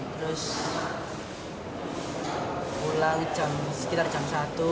terus pulang sekitar jam satu